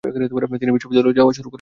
তিনি বিদ্যালয়ে যাওয়া শুরু করেন।